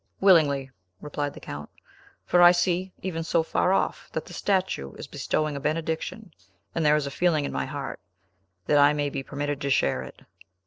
"Willingly," replied the Count, "for I see, even so far off, that the statue is bestowing a benediction, and there is a feeling in my heart that I may be permitted to share it."